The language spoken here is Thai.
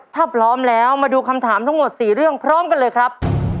ถ้าพร้อมแล้วมาดูคำถามทั้งหมด๔เรื่องพร้อมกันเลยครับ